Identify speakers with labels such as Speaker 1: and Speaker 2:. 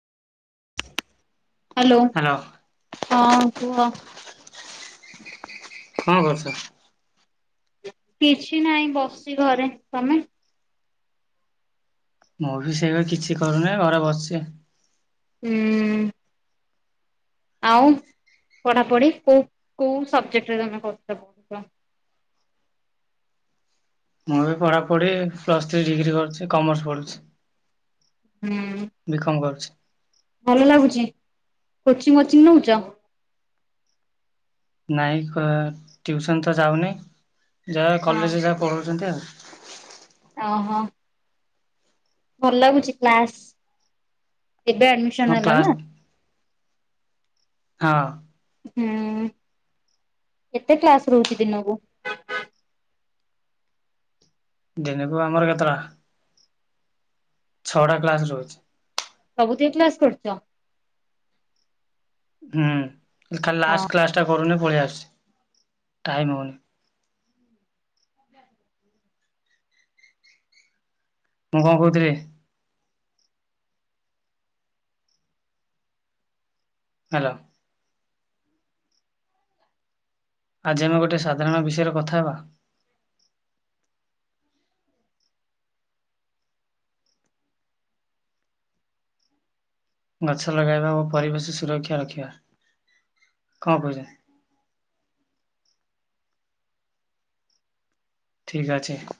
Speaker 1: Hello
Speaker 2: hello
Speaker 1: ହଁ କୁହ।
Speaker 2: କଣ କରୁଚ?
Speaker 1: କିଛି ନାହି ବସିଚି ଘରେ। ତମେ?
Speaker 2: ମୁଁ ବି ସେଇ ବା କିଛି କରୁନି ଘରେ ବସିଚି ଆଉ।
Speaker 1: ହୁଁ। ଆଉ ପଢାପଢି କୋଉ, କୋଉ ସବଜେକ୍ଟରେ ତମେ କରୁଚ ପଢୁଚ?
Speaker 2: ମୁଁ ବି ପଢ଼ାପଢି ପ୍ଲସ୍ ଥ୍ରୀ ଡିଗ୍ରୀ କରୁଚି। କମର୍ସ ପଢୁଚି।
Speaker 1: ହୁଁ
Speaker 2: ବିକମ କରୁଚି।
Speaker 1: ଭଲ ଲାଗୁଚି, କୋଚିଙ୍ଗ ମୋଚିଙ୍ଗ ନୋଉଚ?
Speaker 2: ନାଇଁ କ ଟ୍ୟୁସନ ତ ଯାଉନି। ଯାହା କଲେଜରେ ଯାହା ପଢୋଉଚନ୍ତି ଆଉ।
Speaker 1: ଅ ହ। ଭଲ ଲାଗୁଚି କ୍ଲାସ? ଏବେ
Speaker 2: ହଁ
Speaker 1: ଆଡମିଶନ
Speaker 2: କ୍ଲାସ୍
Speaker 1: ହେଲନା?
Speaker 2: ହଁ।
Speaker 1: ହୁଁ କେତେ କ୍ଲାସ ରହୁଚି ଦିନକୁ?
Speaker 2: ଦିନକୁ ଆମର କେତେଟା ଛଅଟା କ୍ଲାସ ରହୁଚି।
Speaker 1: ସବୁଦିନ କ୍ଲାସ କରୁଚ?
Speaker 2: ହୁଁ ଖାଲି ଲାଷ୍ଟ କ୍ଲାସଟା କରୁନି ପଳେଇ ଆସୁଚି ଟାଇମ୍ ହୋଉନି। ମୁଁ କଣ କୋହୁଥିଲି। ହାଲୋ। ଆଜି ଆମେ ଗୋଟେ ସାଧାରଣ ବିଷୟରେ କଥା ହବା। ଗଛ ଲଗାଇବା ଓ ପରିବେଶ ସୁରକ୍ଷା ରଖିବା। କଣ କହୁଛନ୍ତି? ଠିକ ଅଛି।